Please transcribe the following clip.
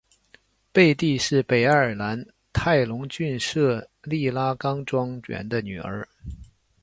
贝蒂是北爱尔兰泰隆郡杜利拉冈庄园的女儿。